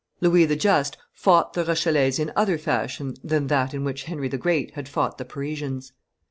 Louis the Just fought the Rochellese in other fashion than that in which Henry the Great had fought the Parisians.